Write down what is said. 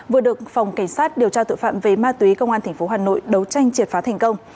vừa được phòng cảnh sát điều tra tội phạm về ma túy công an tp hà nội đấu tranh triệt phá thành công